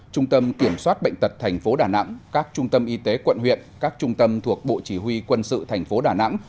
trung tâm kiểm soát bệnh tật tp đà nẵng các trung tâm y tế quận huyện các trung tâm thuộc bộ chỉ huy quân sự thành phố đà nẵng